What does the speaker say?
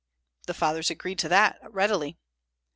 The fathers agreed to that readily.